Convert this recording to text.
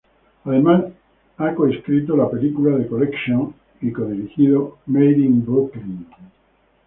Además ha coescrito la película "The Collection" y co-dirigido "Made in Brooklyn".